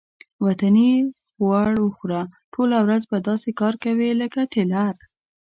وطني غوړ وخوره ټوله ورځ به داسې کار کوې لکه ټېلر.